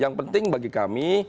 yang penting bagi kami